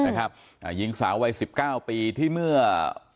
นะครับยิงสาววัย๑๙ปีที่เมื่อ